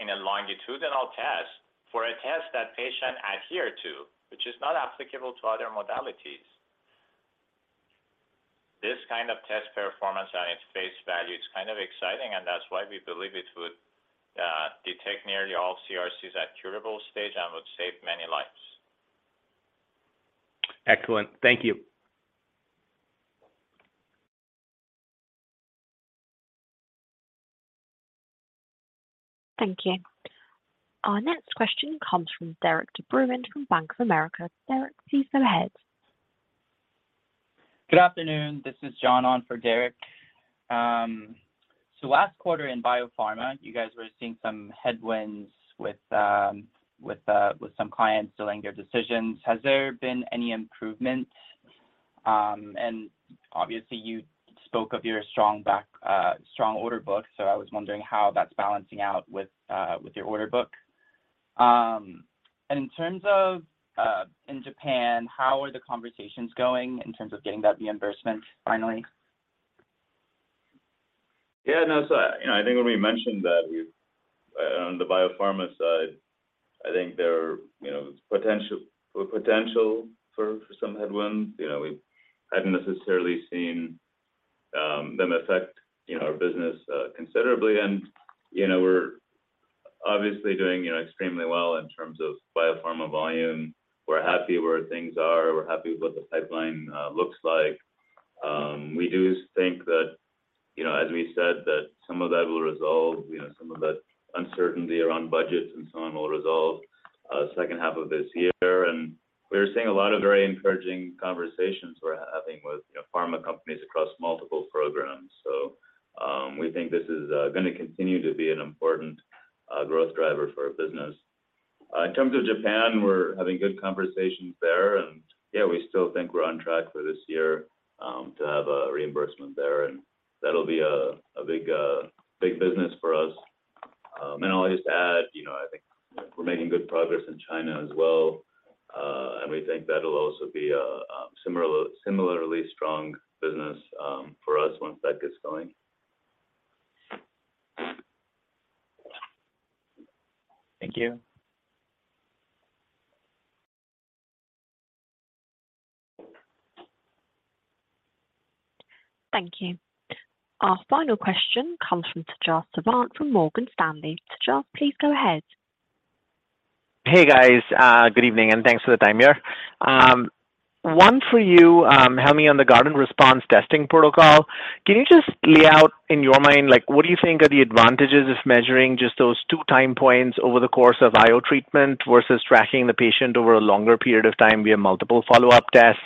In a longitudinal test, for a test that patient adhere to, which is not applicable to other modalities, this kind of test performance on its face value is kind of exciting, and that's why we believe it would detect nearly all CRCs at curable stage and would save many lives. Excellent. Thank you. Thank you. Our next question comes from Derik De Bruin from Bank of America. Derik, please go ahead. Good afternoon. This is John on for Derik. Last quarter in biopharma, you guys were seeing some headwinds with some clients delaying their decisions. Has there been any improvement? Obviously, you spoke of your strong order book, so I was wondering how that's balancing out with your order book. In terms of Japan, how are the conversations going in terms of getting that reimbursement finally? No, you know, I think when we mentioned that on the biopharma side, I think there are, you know, potential for some headwinds. You know, we hadn't necessarily seen them affect, you know, our business considerably. You know, we're obviously doing, you know, extremely well in terms of biopharma volume. We're happy where things are. We're happy with what the pipeline looks like. We do think that, you know, as we said, that some of that will resolve, you know, some of that uncertainty around budgets and so on will resolve second half of this year. We're seeing a lot of very encouraging conversations we're having with, you know, pharma companies across multiple programs. We think this is gonna continue to be an important growth driver for our business. In terms of Japan, we're having good conversations there. Yeah, we still think we're on track for this year to have a reimbursement there, and that'll be a big business for us. I'll just add, you know, I think we're making good progress in China as well, and we think that'll also be a similarly strong business for us once that gets going. Thank you. Thank you. Our final question comes from Tejas Savant from Morgan Stanley. Tejas, please go ahead. Hey, guys. Good evening, thanks for the time here. One for you, Helmy, on the Guardant response testing protocol. Can you just lay out in your mind, like what do you think are the advantages of measuring just those two time points over the course of IO treatment versus tracking the patient over a longer period of time via multiple follow-up tests?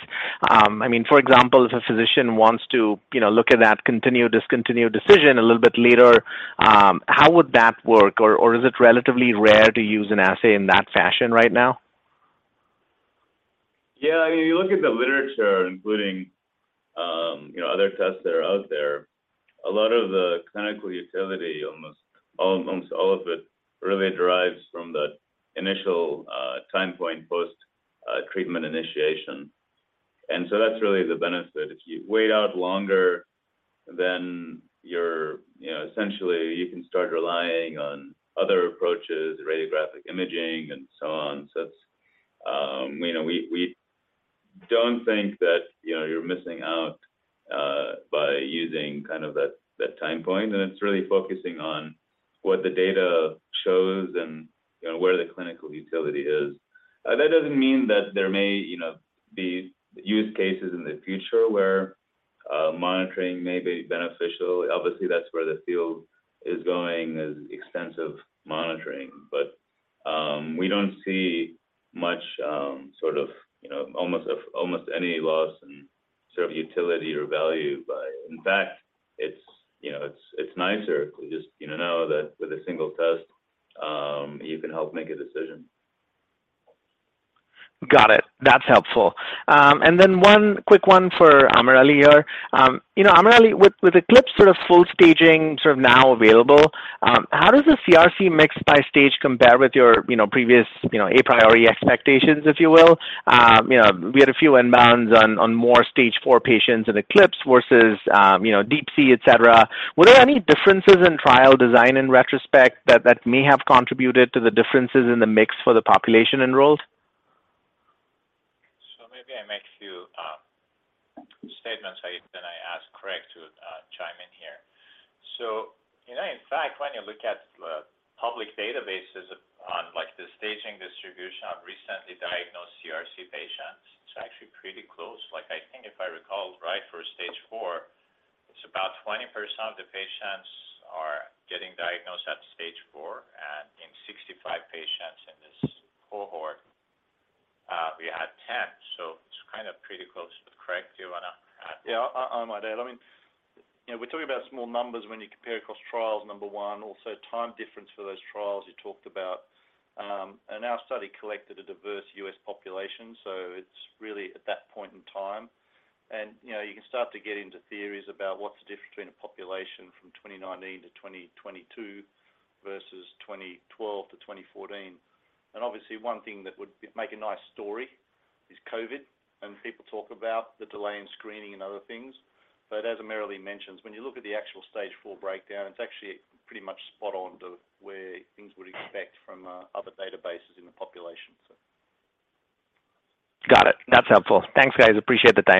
I mean, for example, if a physician wants to, you know, look at that continue/discontinue decision a little bit later, how would that work? Is it relatively rare to use an assay in that fashion right now? Yeah. I mean, you look at the literature, including, you know, other tests that are out there. A lot of the clinical utility, almost all of it really derives from the initial time point post treatment initiation. That's really the benefit. If you wait out longer, then you're, you know, essentially you can start relying on other approaches, radiographic imaging and so on. It's, you know, we don't think that, you know, you're missing out, by using kind of that time point, and it's really focusing on what the data shows and, you know, where the clinical utility is. That doesn't mean that there may, you know, be use cases in the future where, monitoring may be beneficial. Obviously, that's where the field is going, is extensive monitoring. We don't see much, sort of, you know, almost any loss in sort of utility or value by. In fact, it's, you know, it's nicer if we just, you know that with a single test, you can help make a decision. Got it. That's helpful. Then one quick one for AmirAli here. You know, AmirAli, with ECLIPSE sort of full staging sort of now available, how does the CRC mix by stage compare with your, you know, previous, you know, a priori expectations, if you will? You know, we had a few inbounds on more stage IV patients in ECLIPSE versus, you know, DeeP-C, et cetera. Were there any differences in trial design in retrospect that may have contributed to the differences in the mix for the population enrolled? Maybe I make a few statements, and then I ask Craig to chime in here. You know, in fact, when you look at the public databases on, like, the staging distribution of recently diagnosed CRC patients, it's actually pretty close. Like, I think if I recall right stage IV, it's about 20% of the patients are getting diagnosed stage IV. in 65 patients in this cohort, we had 10. It's kind of pretty close. Craig, do you wanna add? Yeah. On that note, I mean, you know, we're talking about small numbers when you compare across trials, number one. Also, time difference for those trials you talked about. Our study collected a diverse U.S. population, so it's really at that point in time. You know, you can start to get into theories about what's the difference between a population from 2019-2022 versus 2012-2014. Obviously, one thing that would make a nice story is COVID, and people talk about the delay in screening and other things. As AmirAli mentions, when you look at the stage IV breakdown, it's actually pretty much spot on to where things would expect from other databases in the population. Got it. That's helpful. Thanks, guys. Appreciate the time.